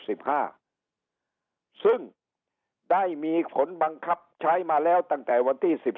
ซึ่งได้มีผลบังคับใช้มาแล้วตั้งแต่วันที่๑๕